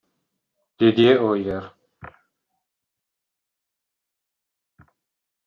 Didier Hoyer